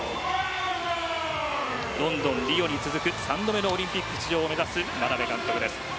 ロンドン、リオに続く３度目のオリンピック出場を目指す眞鍋監督です。